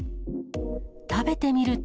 食べてみると。